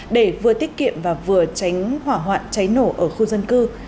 để vừa tiết kiệm và vừa tránh hỏa hoạn cháy nổ ở khu dân cư